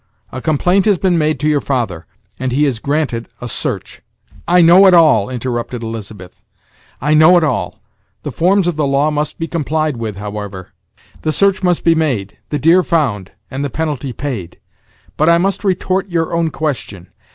A complaint has been made to your father, and he has granted a search " "I know it all," interrupted Elizabeth; "I know it all. The forms of the law must be complied with, however; the search must be made, the deer found, and the penalty paid. But I must retort your own question.